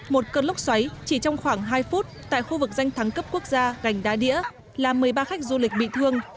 một cơn lốc xoáy chỉ trong khoảng hai phút tại khu vực danh thắng cấp quốc gia gành đá đĩa làm một mươi ba khách du lịch bị thương